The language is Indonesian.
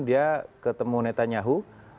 dia ketemu netanyahu